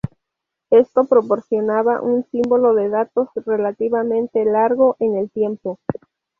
Esto proporcionaba un símbolo de datos relativamente largo en el tiempo.